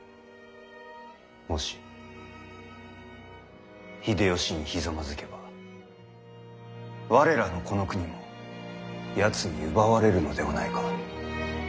もし秀吉にひざまずけば我らのこの国もやつに奪われるのではないか？